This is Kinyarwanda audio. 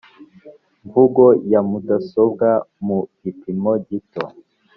mvugo ya mudasobwa mu gipimo gito